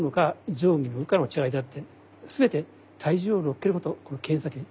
上下に動くのかの違いであって全て体重を乗っけることこの剣先に。